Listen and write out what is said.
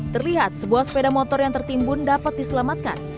terlihat sebuah sepeda motor yang tertimbun dapat diselamatkan